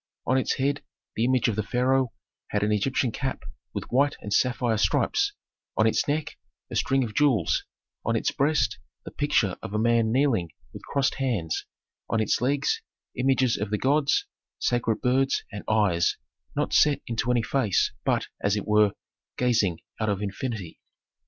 On its head the image of the pharaoh had an Egyptian cap with white and sapphire stripes; on its neck, a string of jewels; on its breast, the picture of a man kneeling with crossed hands; on its legs, images of the gods, sacred birds, and eyes, not set into any face, but, as it were, gazing out of infinity.